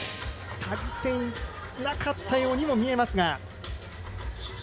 足りていなかったようにも見えますが。